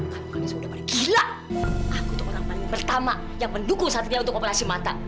aku kalian sudah paling gila aku untuk orang paling pertama yang mendukung satria untuk operasi mata